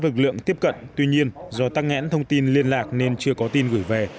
vực lượng tiếp cận tuy nhiên do tăng nghẽn thông tin liên lạc nên chưa có tin gửi về